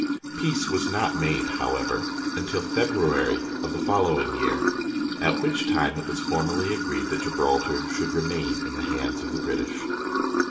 Peace was not made, however, until February of the following year, at which time it was formally agreed that Gibraltar should remain in the hands of the British.